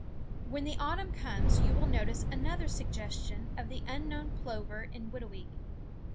When the autumn comes you will notice another suggestion of the unknown plover in Whitooweek.